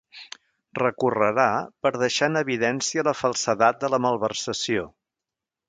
Recorrerà per deixar en evidència la falsedat de la malversació.